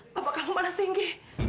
apakah kamu panas tinggi